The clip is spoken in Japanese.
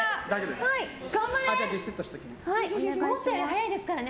思ったより速いですからね。